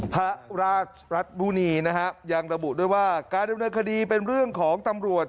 พระราชรัฐบุณีนะฮะยังระบุด้วยว่าการดำเนินคดีเป็นเรื่องของตำรวจ